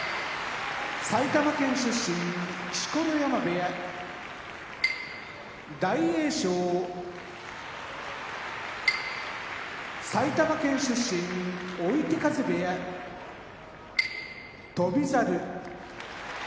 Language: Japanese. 錣山部屋大栄翔埼玉県出身追手風部屋翔猿